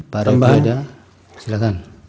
pak rai paheda silakan